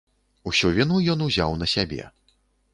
Усю віну ён узяў на сябе.